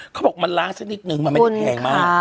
เขาบอกมันล้างสักนิดนึงมันไม่ได้แพงมาก